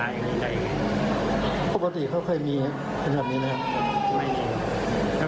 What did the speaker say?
ไม่มีเขาคุยกันธรรมดา